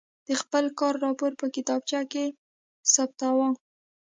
د خپل کار راپور په کتابچه کې ثبتاوه.